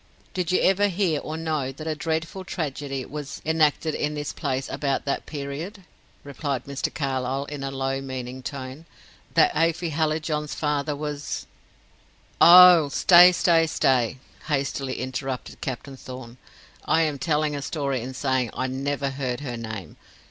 "Did you ever hear or know that a dreadful tragedy was enacted in this place about that period?" replied Mr. Carlyle, in a low, meaning tone. "That Afy Hallijohn's father was " "Oh, stay, stay, stay," hastily interrupted Captain Thorn. "I am telling a story in saying I never heard her name.